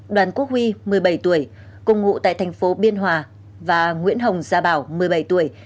đoàn quốc huy một mươi bảy tuổi cùng ngụ tại thành phố biên hòa và nguyễn hồng gia bảo một mươi bảy tuổi